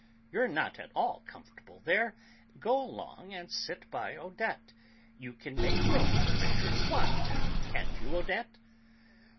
"You're not at all comfortable there; go along and sit by Odette; you can make room for M. Swann there, can't you, Odette?"